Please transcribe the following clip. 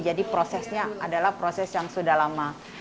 jadi prosesnya adalah proses yang sudah lama